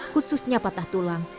khususnya patah tulang